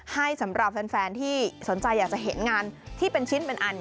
สำหรับแฟนที่สนใจอยากจะเห็นงานที่เป็นชิ้นเป็นอัน